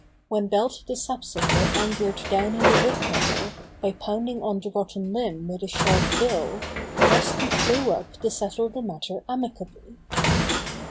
When Belt the Sapsucker angered Downy the Woodpecker by pounding on the rotten limb with his sharp bill, Rusty flew up to settle the matter amicably.